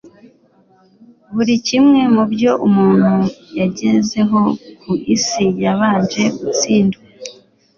buri kimwe mubyo umuntu yagezeho ku isi yabanje gutsindwa